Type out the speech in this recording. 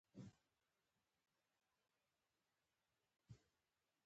نن مې دا سوبه هم ترسره شوه، چې پوهنتون کې داخل شوم